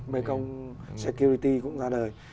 mekong security cũng ra đời